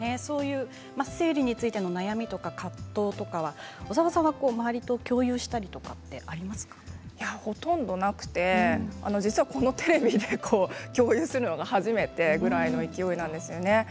生理についての悩みや葛藤などは小澤さんは周りといや、ほとんどなくて実はこのテレビで共有するのが初めてぐらいの勢いなんですよね。